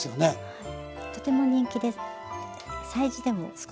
はい。